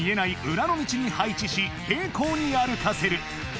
裏の道に配置し平行に歩かせる